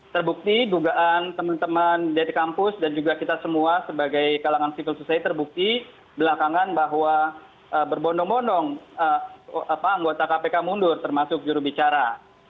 terbukti dugaan teman teman dari kampus dan juga kita semua sebagai kalangan civil society terbukti belakangan bahwa berbondong bondong anggota kpk mundur termasuk jurubicara